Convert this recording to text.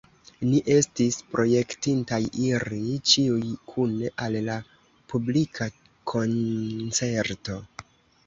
Ni estis projektintaj iri ĉiuj kune al la publika koncerto.